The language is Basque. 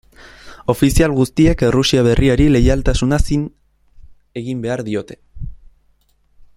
Ofizial guztiek Errusia Berriari leialtasuna zin egin behar diote.